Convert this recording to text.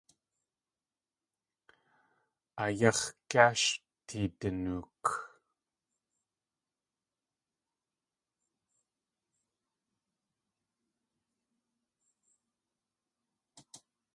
Ayáx̲ gé sh teedinook?